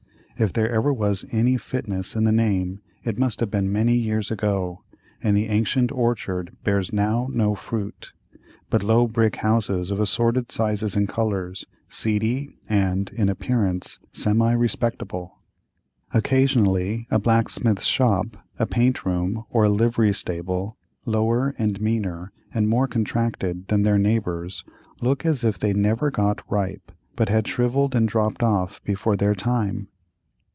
If there ever was any fitness in the name it must have been many years ago, and the ancient orchard bears now no fruit, but low brick houses of assorted sizes and colors, seedy, and, in appearance, semi respectable. Occasionally a blacksmith's shop, a paint room, or a livery stable, lower or meaner and more contracted than their neighbors, look as if they never got ripe, but had shrivelled and dropped off before their time.